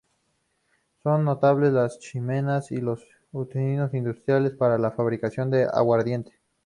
Son notables la chimenea y los utensilios industriales para la fabricación del aguardiente.